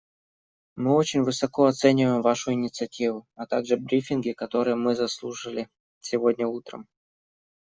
Мы очень высоко оцениваем Вашу инициативу, а также брифинги, которые мы заслушали сегодня утром.